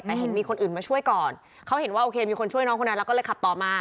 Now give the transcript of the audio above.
แต่เห็นมีคนอื่นมาช่วยก่อนเขาเห็นว่าโอเคมีคนช่วยน้องคนนั้นแล้วก็เลยขับต่อมา